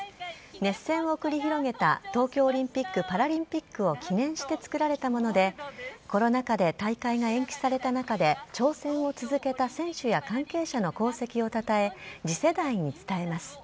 熱戦を繰り広げた東京オリンピック・パラリンピックを記念してつくられたものでコロナ禍で大会が延期された中で挑戦を続けた選手や関係者の功績をたたえ次世代に伝えます。